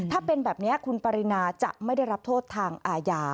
ถ้าเป็นแบบนี้คุณปรินาจะไม่ได้รับโทษทางอาญา